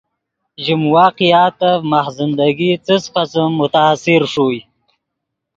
ژیم واقعاتف ماخ زندگی څس قسم متاثر ݰوئے